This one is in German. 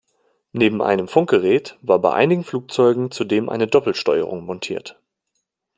Neben einem Funkgerät war bei einigen Flugzeugen zudem eine Doppelsteuerung montiert.